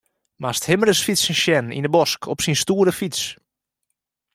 Moatst him ris fytsen sjen yn 'e bosk op syn stoere fyts.